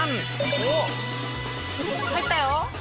おっ入ったよ。